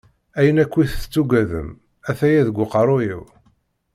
Ayen akkit tettugadem, ataya deg aqerru-iw.